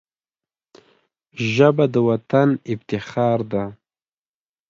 ژبه د وطن افتخار ده